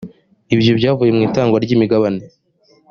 ibyo byavuye mu itangwa ry’imigabane